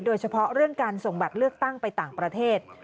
โดยเฉพาะเรื่องการส่งบัตรเลือกตั้งไปต่างประเทศ